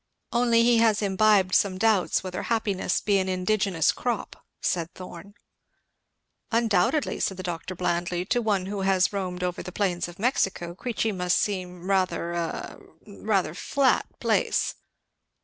"Only he has imbibed some doubts whether happiness be an indigenous crop," said Thorn. "Undoubtedly," said the doctor blandly, "to one who has roamed over the plains of Mexico, Queechy must seem rather a rather flat place."